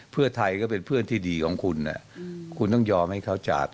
เพื่อไทยก็เป็นเพื่อนที่ดีของคุณคุณต้องยอมให้เขาจาก